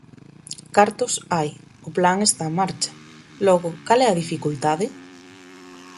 Cartos hai, o plan está en marcha, logo ¿cal é a dificultade?